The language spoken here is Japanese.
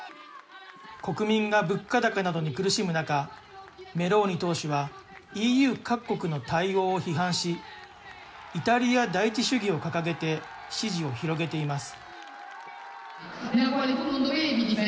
国民が物価高などに苦しむ中、メローニ党首はＥＵ各国の対応を批判し、イタリア第一主義を掲げて支持を広げています。